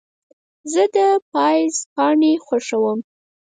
زه د پاییز پاڼې خوښوم.